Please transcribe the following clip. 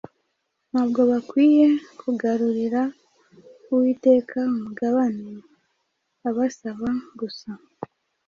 Ntabwo bakwiye kugarurira Uwiteka umugabane abasaba gusa,